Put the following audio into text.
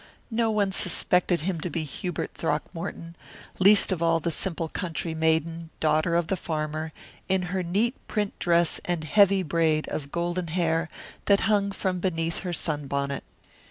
No one suspected him to be Hubert Throckmorton, least of all the simple country maiden, daughter of the farmer, in her neat print dress and heavy braid of golden hair that hung from beneath her sunbonnet.